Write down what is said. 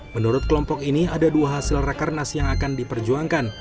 menurut kelompok ini ada dua hasil rakernas yang akan diperjuangkan